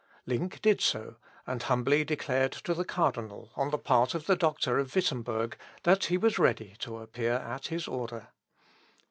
Link did so, and humbly declared to the cardinal, on the part of the doctor of Wittemberg, that he was ready to appear at his order.